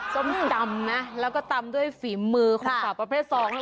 ส้มตำนะแล้วก็ตำด้วยฝีมือของสาวประเภทสอง